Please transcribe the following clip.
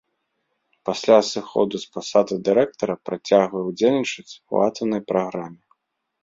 Пасля сыходу з пасады дырэктара працягвае ўдзельнічаць у атамнай праграме.